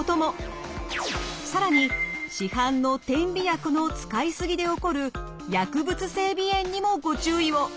更に市販の点鼻薬の使いすぎで起こる薬物性鼻炎にもご注意を！